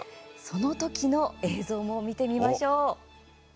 その時の映像も見てみましょう。